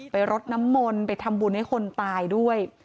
รดน้ำมนต์ไปทำบุญให้คนตายด้วย